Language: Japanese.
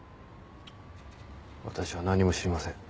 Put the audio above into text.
私は何も知りません。